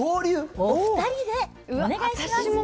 お２人でお願いします。